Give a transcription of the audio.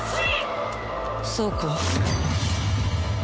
そうか。